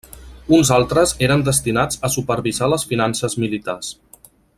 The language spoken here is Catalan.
Uns altres eren destinats a supervisar les finances militars.